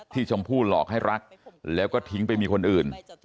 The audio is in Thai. ชมพู่หลอกให้รักแล้วก็ทิ้งไปมีคนอื่น